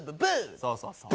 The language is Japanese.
そうそうそう。